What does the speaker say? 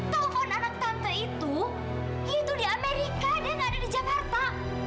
pohon anak tante itu itu di amerika dan ada di jakarta